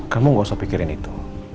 kamu gak usah pikirin itu